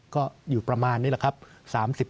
ก็อยู่ประมาณนี้แหละครับ